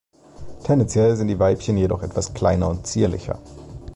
Tendenziell sind die Weibchen jedoch etwas kleiner und zierlicher.